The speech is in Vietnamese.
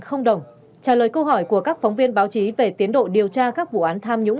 không đồng trả lời câu hỏi của các phóng viên báo chí về tiến độ điều tra các vụ án tham nhũng